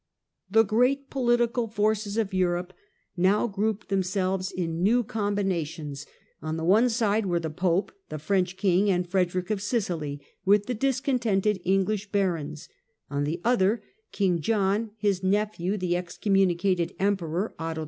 The great political forces of Europe now grouped themselves in new combinations. PHILIP AUGUSTUS, LOUIS VIII., AND ST LOUIS 191 On the one side were the Pope, the French king and Frederick of Sicily, with the discontented English barons ; on the other, King John, his nephew the excommunicated Emperor Otto IV.